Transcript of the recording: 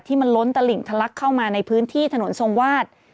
มันล้นตลิ่งทะลักเข้ามาในพื้นที่ถนนทรงวาด